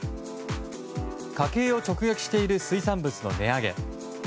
家計を直撃している水産物の値上げ。